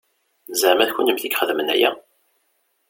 Zeɛma d kennemti i ixedmen aya?